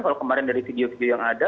kalau kemarin dari video video yang ada